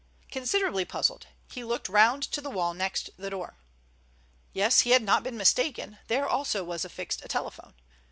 Considerably puzzled, he looked round to the wall next the door. Yes, he had not been mistaken; there also was affixed a telephone.